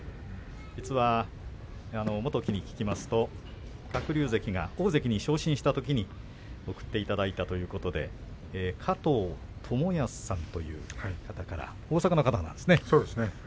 実は元基に聞きますと鶴竜関が大関に昇進したときに贈っていただいたということで加藤ともやすさんという方から大阪の方なんですね。